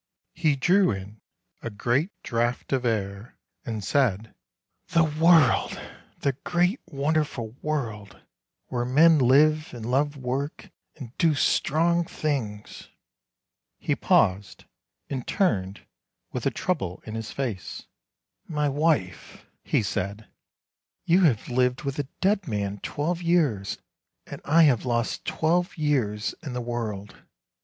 He drew in a great draught of air, and said, " The world ! the great, wonderful world, where men live, and love work, and do strong things !"— he paused, and turned with a trouble in his face. " My wife," he said, " you have lived with a dead man twelve years, and I have lost twelve years in the world.